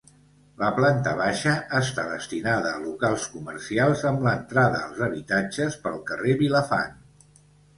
La planta baixa està destinada a locals comercials amb l'entrada als habitatges pel carrer Vilafant.